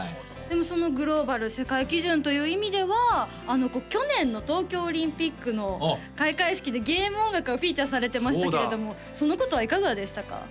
でもそのグローバル世界基準という意味では去年の東京オリンピックの開会式でゲーム音楽がフィーチャーされてましたけれどもそのことはいかがでしたか？